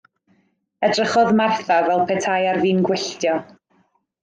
Edrychodd Martha fel petai ar fin gwylltio.